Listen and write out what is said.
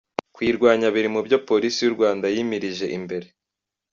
Kuyirwanya biri mu byo Polisi y’u Rwanda yimirije imbere."